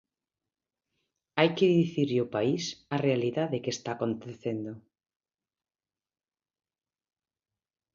Hai que dicirlle ao país a realidade que está acontecendo.